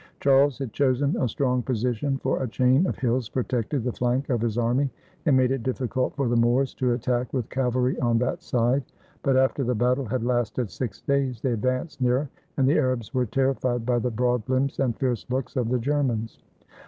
Charles had chosen a strong position, for a chain of hills protected the flank of his army, and made it difficult 156 FAMOUS VICTORY OF CHARLES MARTEL for the Moors to attack with cavalry on that side. But after the battle had lasted six days they advanced nearer, and the Arabs were terrified by the broad limbs and fierce looks of the Germans.